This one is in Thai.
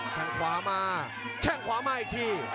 แค่งขวามาแข้งขวามาอีกที